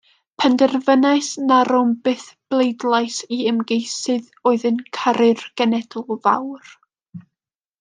Penderfynais na rown byth bleidlais i ymgeisydd oedd yn caru'r genedl fawr.